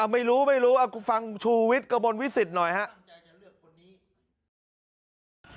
ไม่รู้ไม่รู้ฟังชูวิทย์กระมวลวิสิตหน่อยครับ